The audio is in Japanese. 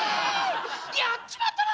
やっちまったなぁ！